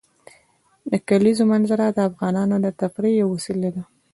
د کلیزو منظره د افغانانو د تفریح یوه وسیله ده.